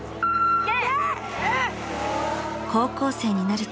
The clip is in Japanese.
・いけ！